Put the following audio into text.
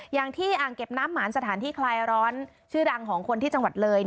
อย่างที่อ่างเก็บน้ำหมานสถานที่คลายร้อนชื่อดังของคนที่จังหวัดเลย